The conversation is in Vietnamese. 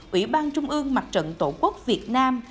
ủy ban trung ương mặt trận tổ quốc việt nam